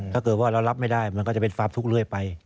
ถ้าเกิดว่าเรารับไม่ได้มันก็จะเป็นความทุกข์เรื่อยไป